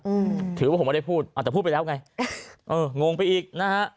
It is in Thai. อืมถือว่าผมไม่ได้พูดอ่าแต่พูดไปแล้วไงเอองงไปอีกนะฮะ